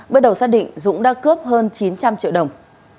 bước đầu xác định dũng đã cướp hơn chín trăm linh triệu đồng